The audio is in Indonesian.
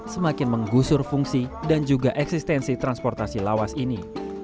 semakin menggusur fungsi dan juga eksistensi transportasi lawas ini